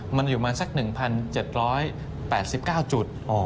มันอยู่มาสัก๑๗๘๙จุด